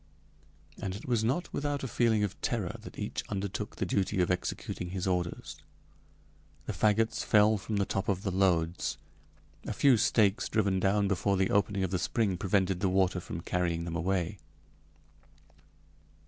And it was not without a feeling of terror that each undertook the duty of executing his orders. The fagots fell from the top of the loads. A few stakes driven down before the opening of the spring prevented the water from carrying them away.